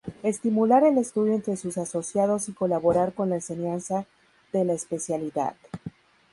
Estimular el estudio entre sus asociados y colaborar con la enseñanza de la especialidad.